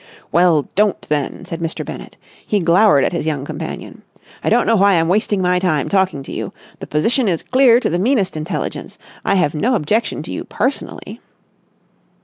"Well, don't then!" said Mr. Bennett. He glowered at his young companion. "I don't know why I'm wasting my time, talking to you. The position is clear to the meanest intelligence. I have no objection to you personally...."